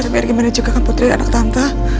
biar gimana juga kan putri anak tante